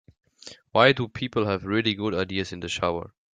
Why do people have really good ideas in the shower?